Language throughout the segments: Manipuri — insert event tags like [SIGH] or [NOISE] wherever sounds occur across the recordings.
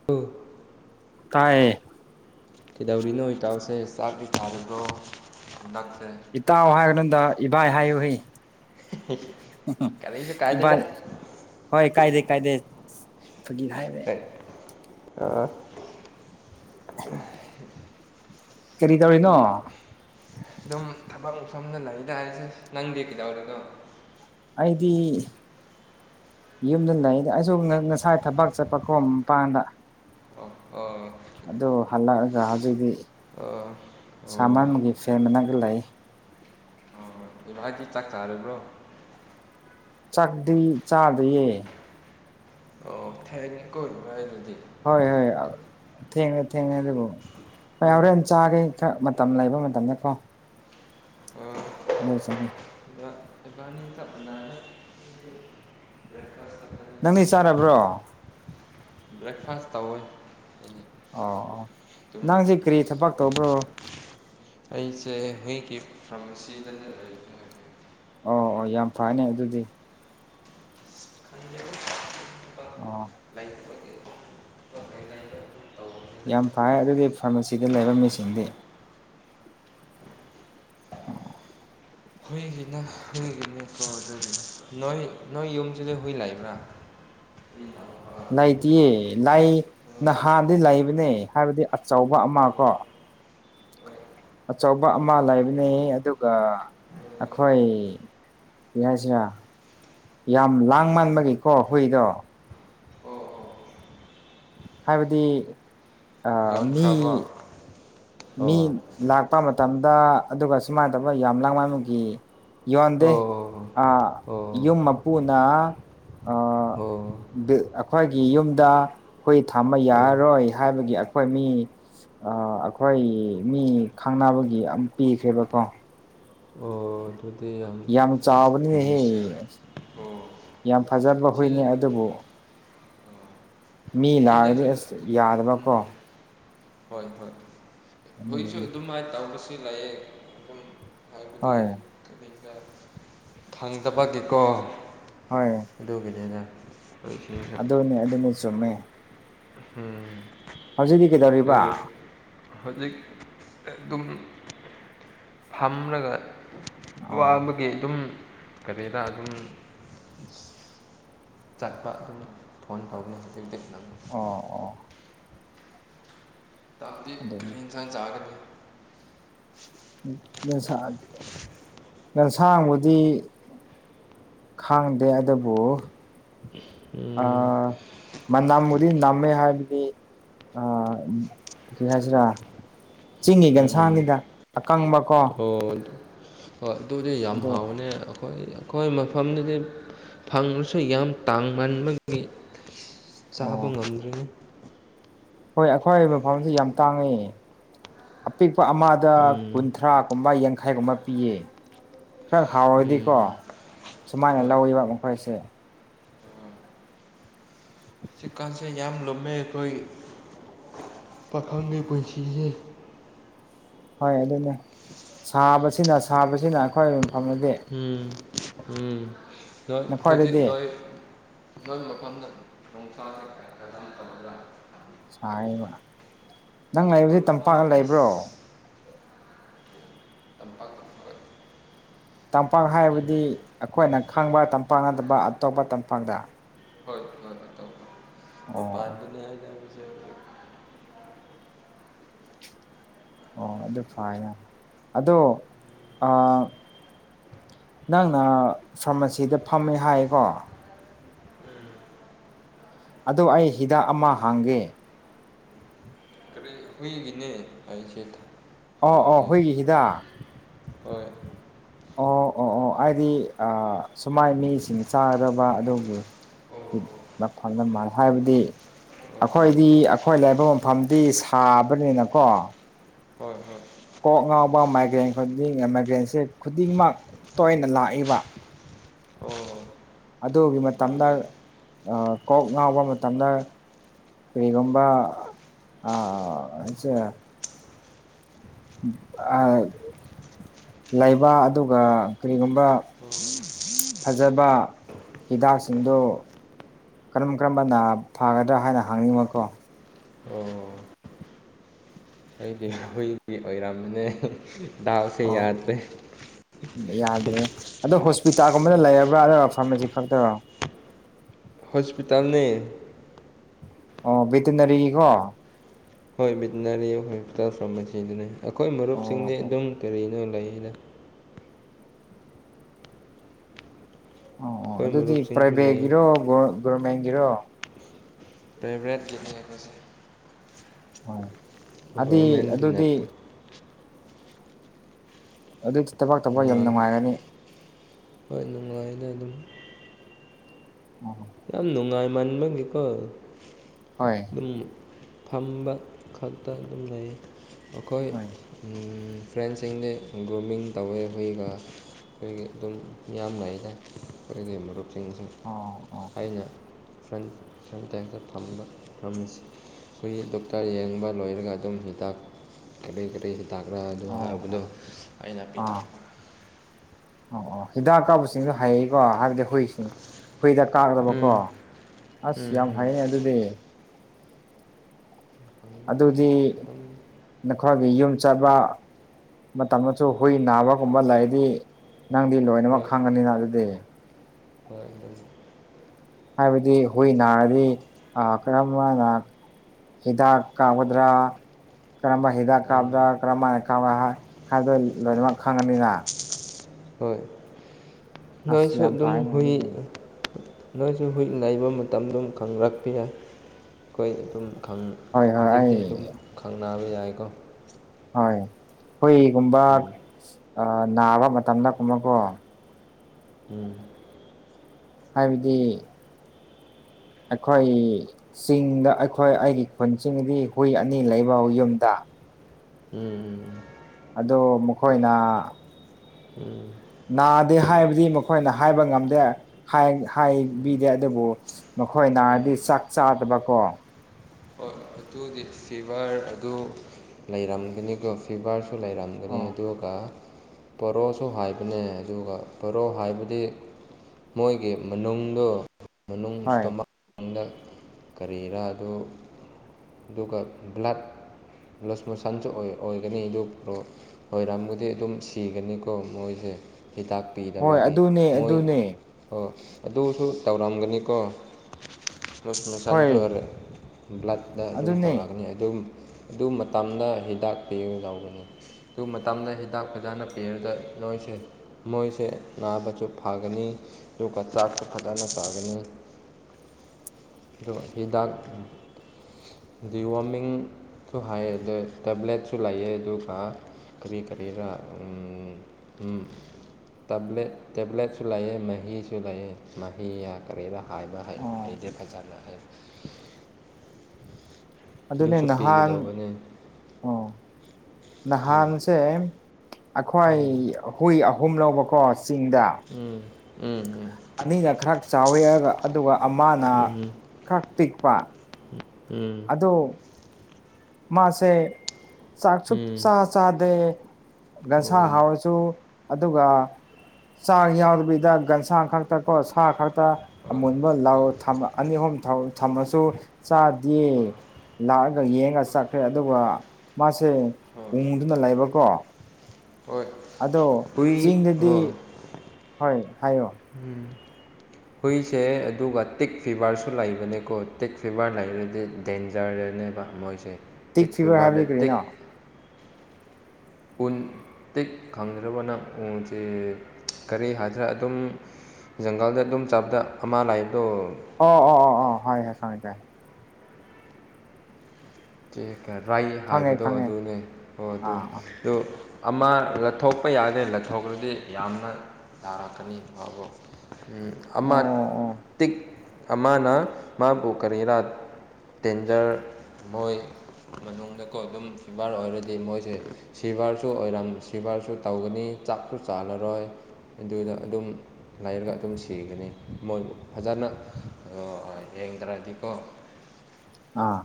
[UNINTELLIGIBLE] ꯇꯥꯏꯌꯦ ꯀꯩꯗꯧꯔꯤꯅꯣ ꯏꯇꯥꯎꯁꯦ ꯆꯥꯛꯇꯤ ꯊꯥꯔꯤꯕꯣ ꯅꯥꯛꯁꯦ ꯏꯇꯥꯎ ꯍꯥꯏꯔꯅꯨꯗ ꯏꯕꯥꯏ ꯍꯥꯏꯌꯣꯍꯦ ꯀꯔꯤꯁꯨ ꯏꯕꯥꯏ ꯀꯥꯏꯗꯦꯗ ꯍꯣꯏ ꯀꯥꯏꯗꯦ ꯀꯥꯏꯗꯦ ꯐꯒꯤ ꯍꯥꯏꯔꯦ ꯑꯥ ꯀꯔꯤ ꯇꯧꯔꯤꯅꯣ ꯑꯗꯨꯝ ꯑꯗꯨꯝ ꯊꯕꯛ ꯃꯐꯝꯗ ꯂꯩꯗ ꯑꯩꯁꯦ ꯅꯪꯗꯤ ꯀꯩꯗꯧꯔꯤꯅꯣ ꯑꯩꯗꯤ ꯌꯨꯝꯗ ꯂꯩꯗ ꯑꯩꯁꯨ ꯉꯁꯥꯏ ꯊꯕꯛ ꯆꯠꯄꯀꯣ ꯃꯄꯥꯟꯗ ꯑꯣ ꯑꯣ ꯑꯗꯨ ꯍꯜꯂꯛꯑꯒ ꯍꯧꯖꯤꯗꯤ ꯑꯣ ꯑꯣ ꯁꯥꯃꯟꯕꯒꯤ ꯐꯦꯟ ꯃꯅꯛꯗ ꯂꯩ ꯏꯕꯥꯏꯗꯤ ꯆꯥꯛ ꯆꯥꯔꯕ꯭ꯔꯣ ꯆꯥꯛꯗꯤ ꯆꯥꯗ꯭ꯔꯤꯌꯦ [UNINTELLIGIBLE] ꯍꯣꯏ ꯍꯣꯏ ꯑꯥ ꯊꯦꯡꯔꯦ ꯊꯦꯡꯉꯦ ꯑꯗꯨꯕꯨ ꯑꯩ ꯎꯝ ꯍꯣꯔꯦꯟ ꯆꯥꯒꯦ ꯇ ꯃꯇꯝ ꯂꯩꯕ ꯃꯇꯝꯗ ꯀꯣ ꯅꯣꯏ ꯆꯥꯔꯣ ꯏꯕꯥꯏꯅꯤ ꯆꯞ ꯃꯟꯅꯔꯦ [INAUDIBLE] ꯅꯪꯗꯤ ꯆꯥꯔꯕ꯭ꯔꯣ ꯕ꯭ꯔꯦꯛꯐꯥꯁ ꯇꯧꯋꯦ ꯑꯩꯗꯤ ꯑꯣ ꯑꯗꯨꯝ ꯅꯪꯁꯦ ꯀꯔꯤ ꯊꯕꯛ ꯇꯧꯕ꯭ꯔꯣ ꯑꯩꯁꯦ ꯑꯩꯒꯤ ꯐꯥꯔꯃꯥꯁꯤꯗꯨꯗ ꯂꯩ ꯑꯣ ꯑꯣ ꯌꯥꯝ ꯐꯅꯦ ꯑꯗꯨꯗꯤ ꯈꯪꯗꯦꯗ ꯊꯕꯛ ꯑꯣ [UNINTELLIGIBLE] ꯂꯩꯇꯕ ꯇꯧꯕꯅꯤꯗ ꯌꯥꯝ ꯐꯔꯦ ꯑꯗꯨꯗꯤ ꯐꯥꯔꯃꯥꯁꯤꯗ ꯂꯩꯕ ꯃꯤꯁꯤꯡꯗꯤ [INAUDIBLE] ꯍꯨꯏꯒꯤꯅ ꯍꯨꯏꯒꯤ ꯅꯠꯇ꯭ꯔꯣ ꯑꯗꯨꯗꯤ ꯅꯣꯏ ꯅꯣꯏ ꯌꯨꯝꯁꯤꯗ ꯍꯨꯏ ꯂꯩꯕ꯭ꯔꯥ ꯂꯩꯇꯤꯌꯦ ꯂꯩ ꯅꯍꯥꯟꯗꯤ ꯂꯩꯕꯅꯦ ꯍꯥꯏꯕꯗꯤ ꯑꯆꯧꯕ ꯑꯃ ꯀꯣ ꯑꯆꯧꯕ ꯑꯃ ꯂꯩꯕꯅꯦ ꯑꯗꯨꯒ ꯑꯩꯈꯣꯏ ꯏꯁꯤꯔ ꯌꯥꯝ ꯂꯥꯡ ꯃꯥꯟꯕꯒꯤꯀꯣ ꯍꯨꯏꯗꯣ ꯍꯥꯏꯕꯗꯤ ꯑ ꯃꯤ ꯌꯣꯟꯈ꯭ꯔꯕꯣ ꯃꯤ ꯑꯣ ꯂꯥꯛꯄ ꯃꯇꯝꯗ ꯑꯗꯨꯒ ꯁꯨꯃꯥꯏꯅ ꯇꯧꯕ ꯌꯥꯝ ꯂꯥꯡ ꯃꯥꯏꯃꯨꯛꯒꯤ ꯌꯣꯟꯗꯦ ꯑꯣ ꯑ ꯑꯣ ꯌꯨꯝ ꯃꯄꯨꯅ ꯑ ꯑꯣ ꯑꯩꯈꯣꯏꯒꯤ ꯌꯨꯝꯗ ꯍꯨꯏ ꯊꯝꯕ ꯑꯣ ꯌꯥꯔꯔꯣꯏ ꯍꯥꯏꯕꯒꯤ ꯑꯩꯈꯣꯏ ꯃꯤ ꯑꯩꯈꯣꯏ ꯃꯤ ꯈꯪꯅꯕꯒꯤ ꯑꯃ ꯄꯤꯈ꯭ꯔꯦꯕꯀꯣ ꯄꯗꯤ ꯌꯥꯝ ꯆꯥꯎꯕꯅꯤꯅꯦꯍꯦ ꯑꯣ ꯌꯥꯝ ꯐꯖꯕ ꯍꯨꯏꯅꯦ ꯁꯤ ꯑꯗꯨꯕꯨ ꯃꯤ ꯂꯥꯛꯑꯗꯤ ꯁꯤꯗꯁꯨ ꯑꯁ ꯌꯥꯗꯕ ꯎꯝ ꯀꯣ ꯎꯝ ꯍꯣꯏ ꯍꯣꯏ ꯍꯧꯖꯤꯛꯁꯨ ꯑꯗꯨꯒꯤꯅꯦ ꯑꯗꯨꯃꯥꯏꯅ ꯇꯧꯕꯁꯨ ꯂꯩꯌꯦ ꯍꯣꯏ ꯊꯦ ꯐꯪꯗꯕꯒꯤꯀꯣ ꯍꯣꯏ ꯑꯗꯨꯒꯤꯅꯤꯅ ꯑꯩꯣꯏꯗꯒꯤ ꯑꯗꯨꯅꯦ ꯑꯗꯨꯅꯤ ꯆꯨꯝꯃꯦ ꯎꯝ ꯍꯧꯖꯤꯛꯤ ꯀꯩꯗꯧꯔꯤꯕ ꯑꯗꯨꯒ ꯍꯧꯖꯤꯛ ꯑꯗꯨꯝ ꯐꯝꯂꯒ ꯑꯣ ꯋꯥꯕꯒꯤ ꯑꯗꯨꯝ ꯀꯔꯤꯗ ꯑꯗꯨꯝ ꯆꯠꯄ ꯑꯗꯨꯝ ꯐꯣꯟ ꯐꯥꯎꯅ ꯍꯥꯏ ꯗꯦꯛꯅꯕ ꯑꯣ ꯑꯣ ꯇꯥꯛꯄꯤ ꯑꯗꯨ ꯁ ꯆꯥꯒꯗ ꯁ ꯌꯦꯟꯁꯥꯡꯕꯨꯗꯤ ꯈꯥꯡꯗꯦ ꯑꯗꯨꯕꯨ ꯑ ꯎꯝ ꯃ ꯅꯝꯔꯤ ꯅꯝꯃꯦ ꯍꯥꯏꯗꯤ ꯑ ꯀꯩ ꯍꯥꯏꯁꯤꯔꯥ ꯆꯤꯡꯒꯤ ꯎꯝ ꯒꯟꯁꯥꯡꯅꯤꯗ ꯑꯀꯪꯕ ꯀꯣ ꯑꯣ ꯍ ꯑꯗꯨꯗꯤ ꯌꯥꯝ ꯑꯗꯨ ꯍꯥꯎꯅꯦ ꯑꯩꯈꯣꯏ ꯑꯩꯈꯣꯏ ꯃꯐꯝꯗꯨꯗꯤ ꯐꯪꯁꯨ ꯌꯥꯝ ꯇꯥꯡꯃꯟꯕꯒꯤ ꯆꯥꯕ ꯑꯣ ꯉꯝꯗ꯭ꯔꯦ ꯍꯣꯏ ꯑꯩꯈꯣꯏ ꯃꯐꯝꯁꯤ ꯌꯥꯝ ꯇꯥꯡꯉꯤ ꯑꯄꯤꯛꯄ ꯑꯃ ꯗ ꯎꯝ ꯀꯨꯟꯊ꯭ꯔꯥꯒꯨꯝꯕ ꯌꯥꯡꯈꯩꯒꯨꯝꯕ ꯄꯤꯌꯦ ꯈꯔ ꯍꯥꯎꯔꯗꯤꯀꯣ ꯎꯝ ꯁꯨꯃꯥꯏꯅ ꯍꯣꯏ ꯂꯧꯋꯕ ꯃꯈꯔꯁꯦ ꯆꯛꯀꯥꯟꯁꯦ ꯌꯥꯝ ꯂꯨꯝꯃꯦ ꯑꯩꯈꯣꯏ ꯄꯥꯈꯪꯒꯤ ꯄꯨꯟꯁꯤꯁꯦ ꯍꯣꯏ ꯑꯗꯨꯅꯦ ꯁꯥꯕꯁꯤꯅ ꯁꯥꯕꯁꯤꯅ ꯑꯩꯈꯣꯏ ꯃꯐꯝꯗꯗꯤ ꯎꯝ ꯎꯝ ꯅꯣꯏ ꯍꯧꯖꯤꯛ ꯅꯈꯣꯏꯗꯗꯤ ꯅꯣꯏ [UNINTELLIGIBLE] [INAUDIBLE] ꯁꯥꯏꯌꯦꯕ ꯅꯪ ꯑꯩꯈꯣꯏ ꯂꯩꯕꯁꯤ ꯇꯝꯄꯥꯛ ꯃꯐꯝꯁꯨ ꯂꯩꯕ꯭ꯔꯣ ꯑꯁ ꯇꯝꯄꯥꯛ ꯍꯣꯏ ꯇꯝꯄꯥꯛ ꯍꯥꯏꯕꯗꯤ ꯑꯩꯈꯣꯏꯅ ꯈꯪꯕ ꯇꯝꯄꯥꯛ ꯅꯠꯇꯕ ꯑꯇꯣꯞꯄ ꯇꯝꯄꯥꯛꯇ ꯍꯣꯏ ꯍꯣꯏ ꯍꯣꯏ ꯑꯣ ꯄꯥꯗꯅ ꯍꯥꯏ ꯌꯥꯝꯃꯤꯖ ꯑꯣ ꯑꯗꯨ ꯐꯔ ꯌꯥꯔ ꯑꯗꯣ ꯑ ꯅꯪꯅ ꯐꯥꯔꯃꯥꯁꯤꯗ ꯐꯝꯃꯦ ꯍꯥꯏꯌꯦꯀꯣ ꯑꯗꯣ ꯑꯩ ꯍꯤꯗꯥꯛ ꯑꯃ ꯍꯥꯡꯒꯦ ꯀ ꯍꯨꯏꯒꯤꯅꯦ ꯑꯩꯁꯦ ꯑ ꯑꯣ ꯊꯝꯕꯁꯦ ꯍꯨꯏꯒꯤ ꯍꯤꯗꯥꯛ ꯍꯣꯏ ꯑꯣ ꯑꯣ ꯑꯣ ꯑꯥꯏꯗꯤ ꯑ ꯁꯨꯃꯥꯏ ꯃꯤꯁꯤꯡ ꯆꯥꯒꯗꯕ ꯑꯗꯨꯒꯤ ꯑꯣ ꯑꯣ ꯃꯐꯝꯗ ꯃ ꯍꯥꯏꯕꯗꯤ ꯑꯩꯈꯣꯏꯗꯤ ꯑꯩꯈꯣꯏ ꯂꯩꯕ ꯃꯐꯝꯗꯤ ꯁꯥꯕꯅꯤꯅꯀꯣ ꯍꯣꯏ ꯍꯣꯏ ꯀꯣꯛ ꯉꯥꯎꯕ ꯃꯥꯏꯒ꯭ꯔꯦꯟ ꯈꯨꯗꯤꯡꯃꯥꯏꯒ꯭ꯔꯦꯟꯁꯦ ꯈꯨꯗꯤꯡꯃꯛ ꯇꯣꯏꯅ ꯂꯥꯛꯏꯕ ꯑꯣ ꯑꯗꯨꯒꯤ ꯃꯇꯝꯗ ꯑꯗꯨꯒꯤ ꯀꯣꯛ ꯉꯥꯎꯕ ꯃꯇꯝꯗ ꯀꯔꯤꯒꯨꯝꯕ ꯑ ꯂꯩꯕ ꯑꯗꯨꯒ ꯀꯔꯤꯒꯨꯝꯕ ꯑꯣ ꯐꯖꯕ ꯍꯤꯗꯥꯛꯁꯤꯡꯗꯨ ꯀꯔꯝ ꯀꯔꯝꯕ ꯅꯥ ꯐꯥꯒꯗ꯭ꯔꯥ ꯍꯥꯏꯅ ꯍꯪꯅꯤꯡꯕꯀꯣ ꯑꯣ ꯑꯩꯗꯤ ꯍꯨꯏꯒꯤ ꯑꯣꯏꯔꯝꯅꯦ ꯗꯥꯎꯁꯦ ꯑꯣ ꯌꯥꯗ꯭ꯔꯦ ꯌꯥꯗ꯭ꯔꯦ ꯑꯗꯣ ꯍꯣꯁꯄꯤꯇꯥꯜꯒꯨꯝꯕꯅ ꯂꯩꯔꯕ꯭ꯔꯥ ꯅꯗ꯭ꯔ ꯐꯥꯔꯃꯥꯁꯤ ꯈꯛꯇꯔꯣ ꯍꯣꯁꯄꯤꯇꯥꯜꯅꯦ ꯑꯣ ꯕꯦꯇꯅꯔꯤꯒꯤ ꯀꯣ ꯍꯣꯏ ꯚꯦꯇꯤꯅꯔꯤ ꯍꯣꯁꯄꯤꯇꯥꯜ ꯐꯥꯔꯃꯥꯁꯤꯗꯨꯅꯤ ꯑꯩꯈꯣꯏ ꯑꯣ ꯃꯔꯨꯞꯁꯤꯡꯗꯤ ꯑꯣ ꯑꯗꯨꯝ ꯀꯔꯤꯅꯣ ꯂꯩꯗ ꯑꯣ ꯑꯣ ꯑꯩꯈꯣꯏ ꯑꯗꯨꯗꯤ ꯃꯔꯨꯞꯁꯤꯡꯁꯨ ꯂꯩ ꯄ꯭ꯔꯥꯏꯚꯦꯠꯀꯤꯔꯣ ꯒꯣꯔꯔꯃꯦꯟꯒꯤꯔꯣ ꯄ꯭ꯔꯥꯏꯕꯦꯠꯀꯤꯅꯤꯁꯤ ꯍꯣꯏ ꯑꯗꯤ ꯒꯣꯕꯔꯃꯦꯟꯒꯤ ꯑꯗꯨꯗꯤ ꯅꯠꯇꯦ ꯑꯗꯨꯗꯤ ꯊꯕꯛ ꯇꯧꯕ ꯌꯥꯝ ꯅꯨꯡꯉꯥꯏ ꯅꯨꯡꯉꯥꯏꯔꯅꯤ ꯍꯣꯏ ꯅꯨꯡꯉꯥꯏꯅ ꯑꯗꯨꯝ ꯎꯝ ꯌꯥꯝ ꯅꯨꯡꯉꯥꯏꯃꯟꯕꯒꯤꯀꯣ ꯍꯣꯏ ꯑꯗꯨꯝ ꯐꯝꯕ ꯈꯛꯇ ꯑꯗꯨꯝ ꯂꯩ ꯑꯩꯈꯣꯏ ꯍꯣꯏ ꯐ꯭ꯔꯦꯟꯁꯤꯡꯗꯤ ꯒ꯭ꯔꯨꯃꯤꯡ ꯇꯧꯋꯦ ꯑꯩꯈꯣꯏꯒ ꯑꯩꯈꯣꯏꯒꯤ ꯑꯗꯨꯝ ꯃꯤꯌꯥꯝ ꯂꯩꯇꯥ ꯑꯩꯈꯣꯏꯒꯤ ꯃꯔꯨꯞꯁꯤꯡꯁꯤꯡ ꯑꯣ ꯑꯣ ꯑꯩꯅ ꯐ꯭ꯔꯟ ꯐꯔꯟꯗꯦꯛꯁ ꯇ ꯐꯝꯕ ꯐ꯭ꯔꯃꯁꯤ ꯑꯩꯈꯣꯏꯒꯤ ꯗꯣꯛꯇꯔ ꯌꯦꯡꯕ ꯂꯣꯏꯔꯒ ꯑꯗꯨꯝ ꯍꯤꯗꯥꯛ ꯀꯔꯤ ꯀꯔꯤ ꯇꯥꯛꯈ꯭ꯔꯥ ꯑꯗꯨꯗ ꯑꯣ ꯍꯥꯏꯕꯗꯣ ꯑꯣ ꯑꯩꯅ ꯑꯥ ꯄꯤꯊꯣꯛ ꯑꯣ ꯑꯣ ꯍꯤꯗꯥꯛꯀꯞꯁꯤꯡꯁꯨ ꯍꯩꯀꯣ ꯍꯥꯏꯕꯗꯤ ꯍꯨꯏꯁꯤꯅꯦ ꯍꯨꯏꯗ ꯀꯥꯗꯕꯀꯣ ꯎꯝ ꯑꯁ ꯎꯝ ꯌꯥꯝ ꯎꯝ ꯐꯩꯅꯦ ꯑꯗꯨꯗꯤ ꯑꯗꯨꯗꯤ [UNINTELLIGIBLE] ꯅꯈꯣꯏꯒꯤ ꯌꯨꯝ ꯆꯥꯕ ꯃꯇꯝꯗꯁꯨ ꯍꯨꯏ ꯅꯥꯕꯒꯨꯝꯕ ꯂꯩꯗꯤ ꯅꯪꯗꯤ ꯂꯣꯏꯅꯃꯛ ꯍꯣꯏ ꯈꯪꯉꯅꯤꯅ ꯑꯗꯨꯗꯤ ꯍꯣꯏ ꯍꯥꯏꯕꯗꯤ ꯍꯨꯏ ꯅꯥꯔꯗꯤ ꯀꯔꯝꯕꯅ ꯍꯤꯗꯥꯛ ꯀꯥꯒꯗ꯭ꯔꯥ ꯀꯔꯝꯕ ꯍꯤꯗꯥꯛ ꯎꯝ ꯀꯥꯞꯗꯥ ꯀꯔꯝꯕꯅ ꯀꯥꯞꯕ ꯍꯥꯏꯕꯗꯣ ꯂꯣꯏꯅꯃꯛ ꯈꯪꯉꯅꯤꯅ ꯍꯣꯏ ꯑꯁ ꯅꯣꯏꯁꯨ ꯌꯥꯝ ꯑꯗꯨꯝ ꯐꯩꯅꯦ ꯍꯨꯏ ꯑꯗꯨꯗꯤ ꯅꯣꯏꯁꯨ ꯍꯨꯏ ꯂꯩꯕ ꯃꯇꯝꯗꯝ ꯈꯪꯂꯛꯄ ꯌꯥꯏ ꯑꯩꯈꯣꯏ ꯑꯗꯨꯝ ꯍꯣꯏ ꯍꯣꯏ ꯍꯧꯖꯤꯛꯇꯤ ꯑꯩ ꯑꯗꯨꯝ ꯈꯪꯅꯕ ꯌꯥꯏꯀꯣ ꯍꯣꯏ ꯑꯩꯈꯣꯏꯒꯨꯝꯕ ꯎꯝ ꯅꯥꯕ ꯃꯇꯝꯗ ꯀꯨꯝꯕꯀꯣ ꯎꯝ ꯍꯥꯏꯕꯗꯤ ꯑꯩꯈꯣꯏ ꯆꯤꯡꯗ ꯑꯩꯈꯣꯏ ꯑꯩꯒꯤ ꯈꯨꯟꯁꯤꯡꯗꯤ ꯍꯨꯏ ꯑꯅꯤ ꯂꯩꯕ ꯌꯨꯝꯗ ꯎꯝ ꯑꯗꯨ ꯃꯈꯣꯏꯅ ꯎꯝ ꯎꯝ ꯅꯥꯗꯦ ꯍꯥꯏꯕꯗꯤ ꯃꯈꯣꯏꯅ ꯍꯥꯏꯕ ꯉꯝꯗꯦ ꯍꯥꯏꯕꯤꯗꯦ ꯑꯗꯨꯕꯨ ꯃꯈꯣꯏ ꯅꯔꯗꯤ ꯆꯥꯛ ꯆꯥꯗꯕꯀꯣ ꯍꯣꯏ ꯑꯗꯨꯗꯤ ꯐꯤꯚꯔ ꯑꯗꯨ ꯂꯩꯔꯝꯒꯅꯤꯀꯣ ꯐꯤꯚꯔꯁꯨ ꯂꯩꯔꯝꯒꯅꯤ ꯑꯣ ꯑꯗꯨꯒ ꯄꯣꯔꯣꯁꯨ ꯍꯥꯏꯕꯅꯦ ꯑꯗꯨꯒ ꯄꯣꯔꯣ ꯍꯥꯏꯕꯗꯤ ꯃꯣꯏꯒꯤ ꯃꯅꯨꯡꯗꯣ ꯃꯅꯨꯡ ꯍꯣꯏ [UNINTELLIGIBLE] ꯀꯔꯤꯔꯥ ꯑꯗꯨ ꯑꯗꯨꯒ ꯕ꯭ꯂꯠ ꯕ꯭ꯂꯣꯁ ꯃꯣꯁꯟꯁꯨ ꯑꯣꯏꯒꯅꯤ ꯑꯗꯨ ꯄ꯭ꯔꯣ ꯈꯣꯏꯔꯥꯝꯕꯨꯗꯤ ꯑꯗꯨꯝ ꯁꯤꯒꯅꯤꯀꯣ ꯃꯣꯏꯁꯦ ꯍꯤꯗꯥꯛ ꯍꯣꯏ ꯄꯤꯗꯕꯒꯤ ꯑꯗꯨꯅꯦ ꯃꯣꯏ ꯑꯗꯨꯅꯦ ꯑꯣ ꯑꯗꯨꯁꯨ ꯇꯧꯔꯝꯒꯅꯤꯀꯣ ꯕ꯭ꯂꯠ ꯕꯣꯁꯟꯁꯨ ꯍꯣꯏ ꯕ꯭ꯂꯠꯗ ꯑꯗꯨꯝ ꯑꯗꯨꯅꯦ ꯇꯧꯔꯒ ꯑꯗꯨꯝ ꯑꯗꯨ ꯃꯇꯝꯗ ꯍꯤꯗꯥꯛ ꯄꯤꯕ ꯌꯥꯎꯕꯅꯤ ꯑꯗꯨ ꯃꯇꯝꯗ ꯍꯤꯗꯥꯛ ꯐꯖꯅ ꯄꯤꯔꯒ ꯅꯣꯏꯁꯦ ꯃꯣꯏꯁꯦ ꯅꯥꯕꯁꯨ ꯐꯒꯅꯤ ꯑꯗꯨꯒ ꯆꯥꯛꯁꯨ ꯐꯖꯅ ꯆꯥꯒꯅꯤ ꯑꯗꯨꯒ ꯍꯤꯗꯥꯛ ꯗꯤ ꯋꯥꯔꯃꯤꯡ ꯁꯨ ꯍꯥꯏ ꯑꯗ ꯇꯦꯕ꯭ꯂꯦꯠꯁꯨ ꯂꯩꯌꯦ ꯑꯗꯨꯒ ꯀꯔꯤ ꯀꯔꯤꯔꯥ ꯎꯝ ꯇꯥꯕ꯭ꯂꯦꯠ ꯇꯦꯕ꯭ꯂꯦꯠꯁꯨ ꯂꯩꯌꯦ ꯃꯍꯤꯁꯨ ꯂꯩꯌꯦ ꯃꯍꯤꯔ ꯀꯔꯤꯔ ꯍꯥꯏꯕ ꯍꯩ ꯑꯣ ꯑꯩꯗꯤ ꯐꯖꯅ ꯍꯥꯏ ꯑꯗꯨꯅꯦ ꯐꯤꯗꯨꯁꯨ ꯅꯍꯥꯟ ꯄꯤꯒꯗꯧꯕꯅꯦ ꯑꯣ ꯑꯗꯨ ꯅꯍꯥꯟꯁꯦ ꯑꯩꯈꯣꯏ ꯍꯨꯏ ꯑꯍꯨꯝ ꯂꯧꯕꯀꯣ ꯆꯤꯡꯗ ꯎꯝ ꯎꯝ ꯎꯝ ꯑꯅꯤꯅ ꯈꯔ ꯆꯥꯎꯌꯦꯑꯒ ꯑꯗꯨꯒ ꯑꯃꯅ ꯈꯔ ꯄꯤꯛꯄ ꯎꯝ ꯑꯗꯣ ꯃꯥꯁꯦ ꯆꯥꯛ ꯁꯨ ꯆꯥ ꯎꯝ ꯆꯥꯗꯦ ꯒꯟꯁꯥ ꯍꯥꯎꯔꯁꯨ ꯑꯗꯨꯒ ꯆꯥꯡ ꯌꯥꯎꯗꯕꯤꯗ ꯒꯟꯁꯥꯡ ꯈꯛꯇꯀꯣ ꯁꯥ ꯈꯛꯇ ꯑꯃꯨꯟꯕ ꯂꯥꯎꯑꯣ ꯊꯝꯃ ꯑꯅꯤ ꯑꯍꯨꯝ ꯊꯥꯎꯑꯣ ꯊꯝꯃꯁꯨ ꯆꯥꯗꯦ ꯂꯥꯛꯑꯒ ꯌꯦꯡꯉꯒ ꯆꯠꯈ꯭ꯔꯦ ꯑꯗꯨꯒ ꯃꯥꯁꯦ ꯑꯣ ꯎꯡꯗꯨꯅ ꯂꯩꯕꯀꯣ ꯍꯣꯏ ꯑꯗꯣ ꯍꯣꯏ ꯍꯣꯏ ꯍꯣꯏ ꯍꯣꯏ ꯍꯨꯏ ꯆꯤꯡꯗꯗꯤ ꯍꯣꯏ ꯍꯥꯏꯌꯣ ꯎꯝ ꯍꯨꯏꯁꯦ ꯑꯗꯨꯒ ꯇꯤꯛ ꯐꯤꯚꯔꯁꯨ ꯂꯩꯕꯅꯦꯀꯣ ꯇꯤꯛ ꯐꯤꯚꯔ ꯂꯩꯔꯗꯤ ꯗꯦꯟꯖꯔꯗꯅꯦꯕ ꯃꯣꯏꯁꯦ ꯇꯤꯛ ꯐꯤꯚꯔ ꯐꯤꯚꯔꯗ ꯍꯥꯏꯕꯗꯤ ꯇꯤꯛ ꯀꯔꯤꯅꯣ ꯄꯨꯟꯇꯤꯛ ꯈꯪꯗ꯭ꯔꯕꯅ ꯎꯁꯦ ꯀꯔꯤ ꯍꯥꯏꯗ꯭ꯔꯥ ꯑꯗꯨꯝ ꯖꯪꯒꯜꯗ ꯑꯗꯨꯝ ꯆꯕꯗ ꯑꯃ ꯂꯩꯕꯗꯣ ꯑꯣ ꯑꯣ ꯑꯣ ꯑꯣ ꯍꯥꯏ ꯇꯥꯏ ꯇꯥꯏ ꯆꯦ ꯔꯥꯏ ꯈꯪꯉꯦ ꯍꯥꯏꯕꯗꯣ ꯈꯪꯉꯦ ꯑꯗꯨꯅꯦ ꯑꯣ ꯑꯗꯨ ꯑꯥ ꯑꯥ ꯑꯗꯨ ꯑꯃ ꯂꯊꯣꯛꯄ ꯌꯥꯗ꯭ꯔꯦ ꯂꯥꯠꯊꯣꯛꯂꯗꯤ ꯌꯥꯝꯅ ꯇꯥꯔꯛꯀꯅꯤ ꯐꯕꯣ ꯑꯃ ꯑꯣ ꯑꯣ ꯇꯤꯛ ꯑꯃꯅ ꯃꯥꯕꯨ ꯀꯔꯤꯔꯥ ꯇꯦꯟꯖꯔ ꯃꯣꯏ ꯃꯅꯨꯡꯗꯀꯣ ꯑꯗꯨꯝ ꯐꯤꯚꯔ ꯑꯣꯏꯔꯗꯤ ꯃꯣꯏꯁꯦ ꯁꯤꯚꯔꯁꯨꯔꯝ ꯁꯤꯚꯔꯁꯨ ꯇꯧꯒꯅꯤ ꯆꯥꯛꯁꯨ ꯆꯥꯜꯂꯔꯣꯏ ꯑꯗꯨꯗ ꯑꯗꯨꯝ ꯂꯩꯔꯒ ꯑꯗꯨꯝ ꯁꯤꯒꯅꯤ ꯃꯣꯏꯕꯨ ꯐꯖꯅ ꯌꯦꯡꯗ꯭ꯔꯗꯤꯀꯣ ꯑꯥ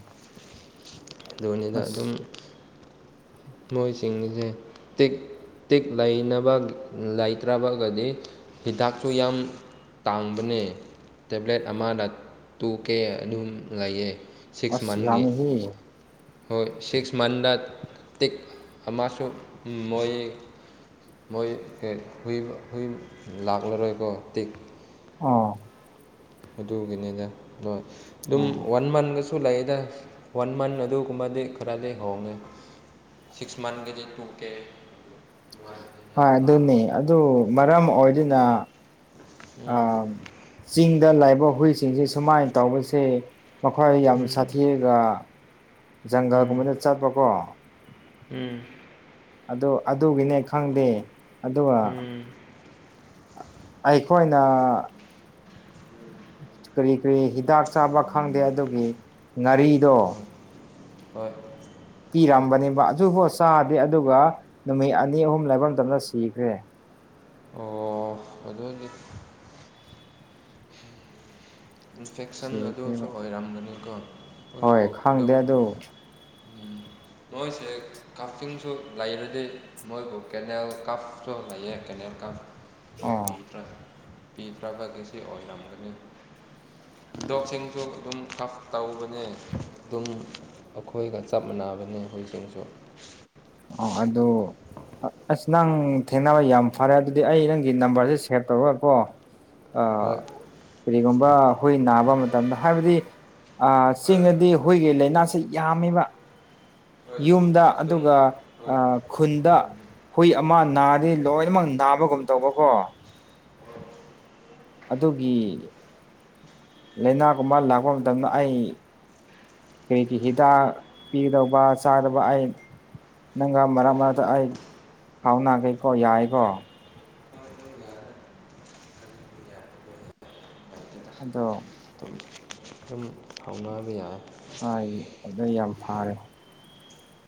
ꯑꯗꯨꯅꯤꯗ ꯑꯗꯨꯝ ꯑꯁ ꯃꯣꯏꯁꯤꯡꯁꯦ ꯇꯦꯛ ꯇꯦꯛꯦꯛ ꯂꯩꯅꯕ ꯂꯩꯇ꯭ꯔꯕꯒꯗꯤ ꯍꯤꯗꯥꯛꯁꯨ ꯌꯥꯝ ꯇꯥꯡꯕꯅꯦ ꯇꯦꯕ꯭ꯂꯦꯠ ꯑꯃꯗ ꯇꯨ ꯀꯦ ꯑꯗꯨꯝ ꯂꯩꯌꯦ ꯑ ꯁꯤꯛꯁ ꯁꯤꯒꯥꯥꯝ ꯃꯟꯒꯤ ꯍ ꯍꯣꯏ ꯁꯤꯛꯁ ꯃꯟꯗ ꯇꯤꯛ ꯑꯃꯁꯨ ꯃꯣꯏ ꯃꯣꯏ ꯍꯨꯏ ꯍꯨꯏ ꯂꯥꯛꯂꯔꯣꯏ ꯑꯩꯀꯣ ꯇꯤꯛ ꯑꯥ ꯑꯗꯨꯒꯤꯅꯤꯗ ꯍꯣꯏ ꯑꯗꯨꯝ ꯑꯣ ꯋꯥꯟ ꯃꯟꯒ ꯁꯨ ꯂꯩꯌꯦꯗ ꯐꯟ ꯃꯟ ꯑꯗꯨꯒꯨꯝꯕꯗꯤ ꯈꯔꯗꯤ ꯍꯣꯡꯉꯦ ꯁꯤꯛꯁ ꯃꯥꯟꯊ ꯀꯖꯤ ꯇꯨ ꯀꯦ ꯑꯗꯨꯃꯥꯏꯅ ꯍꯣꯏ ꯌꯥꯝ ꯑꯗꯨꯅꯤ ꯇꯥꯡꯉꯦ ꯑꯗꯨ ꯃꯔꯝ ꯑꯣꯏꯗꯨꯅ ꯑ ꯎꯝ ꯆꯤꯡꯗ ꯂꯥꯛꯏꯕ ꯍꯨꯏꯁꯤꯡꯁꯦ ꯁꯨꯃꯥꯏꯅ ꯇꯧꯕꯁꯦ ꯃꯈꯣꯏ ꯌꯥꯝ ꯎꯝ ꯁꯥꯊꯤꯔꯒ ꯎꯝ ꯖꯪꯒꯜꯒꯨꯝꯕꯅ ꯆꯠꯄꯀꯣ ꯎꯝ ꯑꯗꯨ ꯑꯗꯨꯒꯤꯅꯦ ꯈꯪꯗꯦ ꯑꯗꯨꯒ ꯎꯝ ꯑꯩꯈꯣꯏꯅ ꯀꯔꯤ ꯀꯔꯤ ꯍꯤꯗꯥꯛ ꯆꯥꯕ ꯈꯪꯗꯦ ꯑꯗꯨꯒꯤ ꯉꯥꯔꯤꯗꯣ ꯍꯣꯏ ꯄꯤꯔꯝꯕꯅꯦꯕ ꯑꯗꯨꯐꯥꯎ ꯆꯥꯗꯦ ꯑꯗꯨꯒ ꯅꯨꯃꯤꯠ ꯑꯅꯤ ꯑꯍꯨꯝ ꯂꯩꯕ ꯃꯇꯝꯅ ꯁꯤꯈ꯭ꯔꯦ ꯑꯣ ꯑꯗꯨꯗꯤ ꯏꯟꯐꯦꯛꯁꯟ ꯑꯗꯨꯁꯨ ꯁꯤꯈ꯭ꯔꯦꯕ ꯑꯣꯏꯔꯝꯒꯅꯤꯀꯣ ꯑꯩꯏꯕꯨ ꯍꯣꯏ ꯑꯗꯨꯝ ꯈꯪꯗꯦ ꯑꯗꯨ [INAUDIBLE] ꯃꯣꯏꯁꯦ ꯀꯥꯞꯇꯤꯡꯁꯨ ꯂꯩꯔꯗꯤ ꯃꯣꯏꯕꯨ ꯀꯦꯅꯦꯜ ꯀꯥꯐꯁꯨ ꯂꯩꯌꯦ ꯀꯦꯅꯦꯜ ꯀꯥꯞ ꯑꯣ ꯑꯗꯨ ꯄꯤꯗ꯭ꯔꯕꯒꯤ ꯁꯤ ꯑꯣꯏꯔꯝꯒꯅꯤ ꯗꯣꯛꯁꯤꯡꯁꯨ ꯑꯗꯨꯝ ꯈꯞ ꯇꯧꯕꯅꯦ ꯑꯗꯨꯝ ꯑꯩꯈꯣꯏꯒ ꯆꯞ ꯃꯥꯟꯅꯕꯅꯦ ꯑꯩꯈꯣꯏꯁꯤꯡꯁꯨ ꯑꯣ ꯑꯗꯨꯗꯣ ꯑꯁ ꯅꯪ ꯊꯦꯡꯅꯕ ꯌꯥꯝ ꯐꯔꯦ ꯑꯗꯨꯗꯤ ꯑꯩ ꯅꯪꯒꯤ ꯅꯝꯕꯔꯁꯦ ꯁꯦꯚ ꯇꯧꯔꯒꯀꯣ ꯑ ꯍꯣꯏ ꯀꯔꯤꯒꯨꯝꯕ ꯑꯩꯈꯣꯏ ꯅꯥꯕ ꯃꯇꯝꯗ ꯍꯥꯏꯕꯗꯤ ꯍꯣꯏ ꯆꯤꯡꯉꯗꯤ ꯍꯨꯣꯏꯒꯤ ꯂꯥꯏꯅꯥꯁꯤ ꯌꯥꯝꯃꯤꯕ ꯍꯣꯏ ꯌꯨꯝꯗ ꯑꯗꯨꯝ ꯑꯗꯨꯒ ꯍꯣꯏ ꯑ ꯈꯨꯟꯗ ꯍꯨꯏ ꯑꯃ ꯅꯥꯔꯤ ꯂꯣꯏꯅꯃꯛ ꯅꯥꯕꯒꯨꯝ ꯇꯧꯕꯀꯣ ꯑꯗꯨꯒꯤ ꯂꯅꯥꯀꯨꯝꯕ ꯂꯥꯛꯄ ꯃꯇꯝꯗ ꯑꯩ ꯀꯔꯤ ꯍꯤꯗꯥꯛ ꯄꯤꯒꯗꯧꯕ ꯆꯥꯗꯕ ꯑꯩ ꯅꯪꯒ ꯃꯔꯛ ꯃꯔꯛꯇ ꯑꯩ ꯐꯥꯎꯅꯒꯦꯀꯣ ꯌꯥꯏꯀꯣ ꯑ ꯌꯥꯏ ꯑꯗꯣ ꯑꯗꯨꯝ ꯍꯥꯎꯅꯥꯕ ꯌꯥꯏ ꯍꯥꯏ ꯑꯗꯨꯗ ꯌꯥꯝ ꯐꯥꯔꯦ